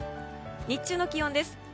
日中の気温です。